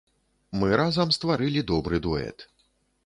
Мы разам стварылі добры дуэт.